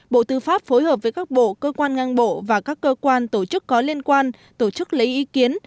bộ tư pháp phối hợp với các bộ cơ quan ngang bộ và các cơ quan tổ chức có liên quan tổ chức lấy ý kiến